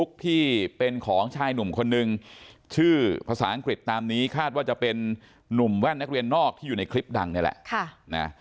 ชื่อภาษาอังกฤษตามนี้คาดว่าจะเป็นนุ่มแว่นนักเรียนนอกที่อยู่ในคลิปดังนี่แหละ